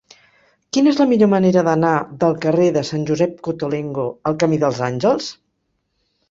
Quina és la millor manera d'anar del carrer de Sant Josep Cottolengo al camí dels Àngels?